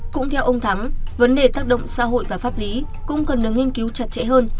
cũng theo ông thắng vấn đề tác động xã hội và pháp lý cũng cần được nghiên cứu chặt chẽ hơn